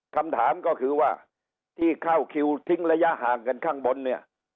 คำถามก็คือว่าที่เข้าคิวทิ้งระยะห่างกันข้างบนเนี่ย